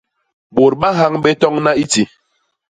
Bôt ba nhañ bé toñna i ti.